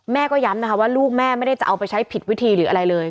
แม่ก็ย้ำนะคะว่าลูกแม่ไม่ได้จะเอาไปใช้ผิดวิธีหรืออะไรเลย